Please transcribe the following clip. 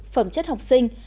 phẩm chất học sinh